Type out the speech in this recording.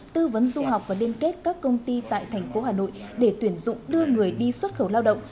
tư vấn du học và liên kết các công ty tại thành phố hà nội để tuyển dụng đưa người đi xuất khẩu lao động